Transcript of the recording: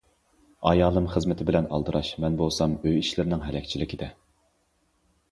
ئايالىم خىزمىتى بىلەن ئالدىراش، مەن بولسام ئۆي ئىشلىرىنىڭ ھەلەكچىلىكىدە.